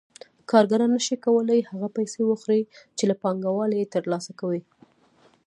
کارګران نشي کولای هغه پیسې وخوري چې له پانګوال یې ترلاسه کوي